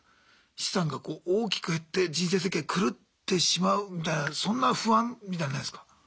資産がこう大きく減って人生設計狂ってしまうみたいなそんな不安みたいのないすか？